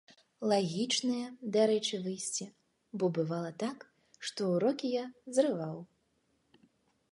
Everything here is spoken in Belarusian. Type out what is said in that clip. Лагічнае, дарэчы, выйсце, бо бывала так, што ўрокі я зрываў.